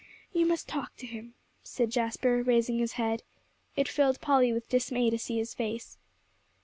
"You must talk to him," said Jasper, raising his head. It filled Polly with dismay to see his face.